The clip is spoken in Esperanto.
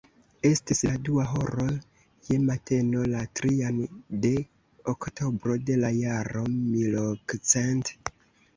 Estis la dua horo je mateno, la trian de oktobro de la jaro milokcent..